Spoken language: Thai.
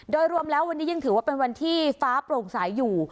โดยรวมแล้ววันนี้ยังถือว่าเป็นวันที่ฟ้าโปร่งใสอยู่